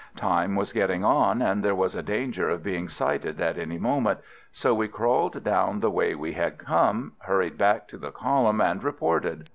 Time was getting on, and there was a danger of being sighted at any moment, so we crawled down the way we had come, hurried back to the column and reported.